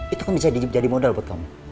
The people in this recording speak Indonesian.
itu kan bisa jadi modal buat kamu